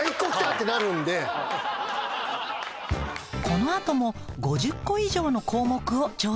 この後も５０個以上の項目を調査。